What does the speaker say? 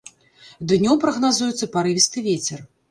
Днём прагназуецца парывісты вецер.